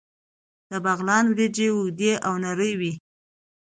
د بغلان وریجې اوږدې او نرۍ وي.